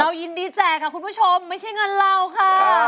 ยินดีแจกค่ะคุณผู้ชมไม่ใช่เงินเราค่ะ